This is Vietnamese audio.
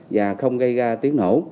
và không gây ra tiếng nổ